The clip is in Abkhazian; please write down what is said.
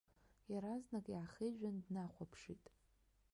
Иаразнак иаахижәан днахәаԥшит.